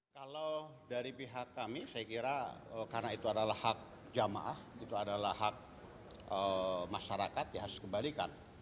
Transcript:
kalau dari pihak kami saya kira karena itu adalah hak jamaah itu adalah hak masyarakat ya harus dikembalikan